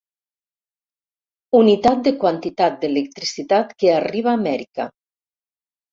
Unitat de quantitat d'electricitat que arriba a Amèrica.